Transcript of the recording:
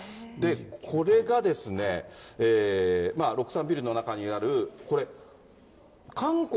これがですね、６３ビルの中にある、